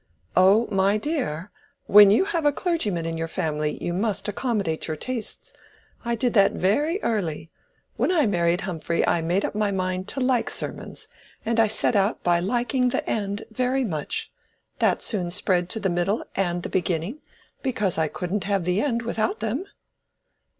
"Oh, my dear, when you have a clergyman in your family you must accommodate your tastes: I did that very early. When I married Humphrey I made up my mind to like sermons, and I set out by liking the end very much. That soon spread to the middle and the beginning, because I couldn't have the end without them."